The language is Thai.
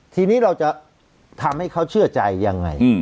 ทีนี้เราจะทำให้เขาเชื่อใจยังไง